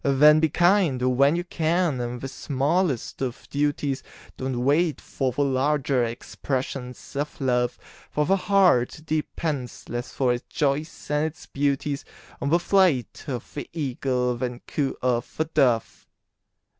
Then be kind when you can in the smallest of duties, Don't wait for the larger expressions of Love; For the heart depends less for its joys and its beauties On the flight of the Eagle than coo of the Dove.